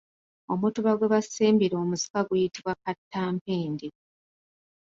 Omutuba gwe basimbira omusika guyitibwa kattampindi.